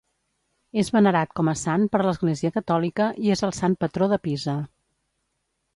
És venerat com a sant per l'Església catòlica i és el sant patró de Pisa.